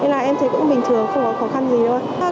nên là em thấy cũng bình thường không có khó khăn gì đâu ạ